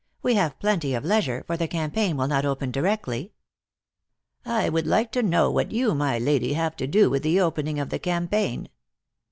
We have plenty of leisure, for the campaign will not open di rectly." " I would like to know what you, rny Lady, have to do with the opening of the campaign